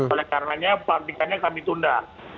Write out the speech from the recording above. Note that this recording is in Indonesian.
oleh karenanya pelantikannya kami tunda